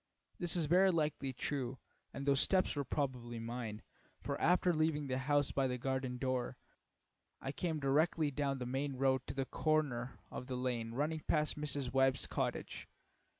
This is very likely true, and those steps were probably mine, for after leaving the house by the garden door, I came directly down the main road to the corner of the lane running past Mrs. Webb's cottage.